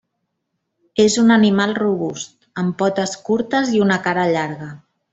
És un animal robust, amb potes curtes i una cara llarga.